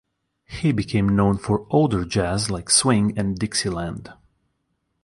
He became known for "older jazz" like swing and Dixieland.